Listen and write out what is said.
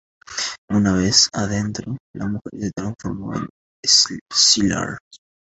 Una vez adentro, la mujer se transforma en Sylar.